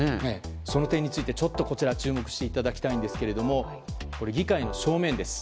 その点について、こちら注目していただきたいんですが議会の正面です。